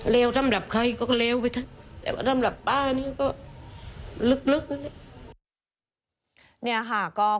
เลวสำหรับใครก็เลวไปทั้งแต่ว่าสำหรับป้านี้ก็ลึกเลย